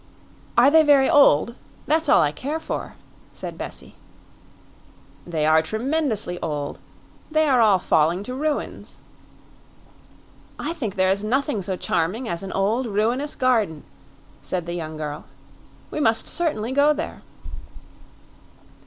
"Are they very old? That's all I care for," said Bessie. "They are tremendously old; they are all falling to ruins." "I think there is nothing so charming as an old ruinous garden," said the young girl. "We must certainly go there."